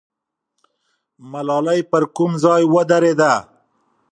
ملالۍ پر کوم ځای ودرېده؟